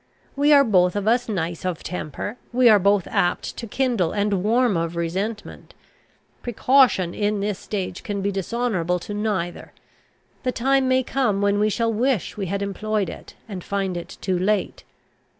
We are both of us nice of temper; we are both apt to kindle, and warm of resentment. Precaution in this stage can be dishonourable to neither; the time may come when we shall wish we had employed it, and find it too late.